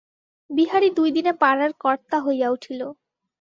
বিহারী দুইদিনে পাড়ার কর্তা হইয়া উঠিল।